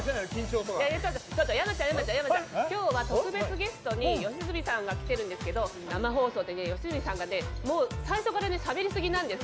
山ちゃん、今日は特別ゲストに良純さんが来てるんですけれど、生放送で良純さんが最初からしゃべりすぎなんです。